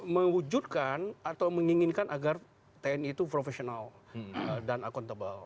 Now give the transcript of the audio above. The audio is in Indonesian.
mewujudkan atau menginginkan agar tni itu profesional dan akuntabel